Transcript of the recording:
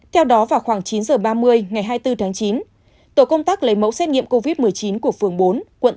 theo đó vào khoảng chín h ba mươi ngày hai mươi bốn tháng chín tổ công tác lấy mẫu xét nghiệm covid một mươi chín của phường bốn quận tám